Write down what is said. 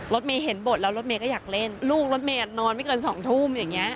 รถเมย์เห็นบทแล้วรถเมย์ก็อยากเล่นลูกรถเมย์นอนไม่เกิน๒ทุ่มอย่างนี้